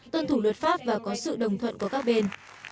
tuân thủ luật pháp và có sự đồng thuận của các bên